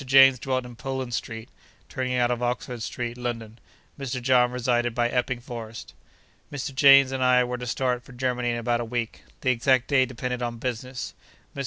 James dwelt in Poland Street, turning out of Oxford Street, London; Mr. John resided by Epping Forest. Mr. James and I were to start for Germany in about a week. The exact day depended on business. Mr.